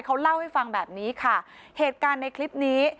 เขาเล่าให้ฟังแบบนี้ค่ะเหตุการณ์ในคลิปนี้